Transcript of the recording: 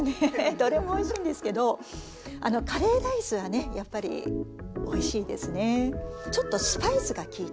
どれもおいしいんですけどカレーライスはやっぱりおいしいですね。